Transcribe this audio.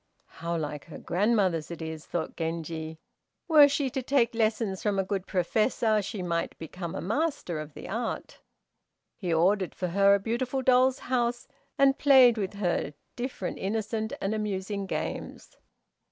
"How like her grandmother's it is," thought Genji. "Were she to take lessons from a good professor she might become a master of the art." He ordered for her a beautiful doll's house, and played with her different innocent and amusing games.